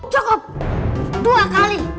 cukup dua kali